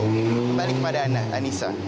kembali kepada ana anissa